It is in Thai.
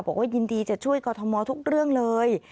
บอกว่ายินดีจะช่วยกรทมทุกเรื่องเลย